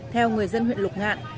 theo người dân huyện lục ngạn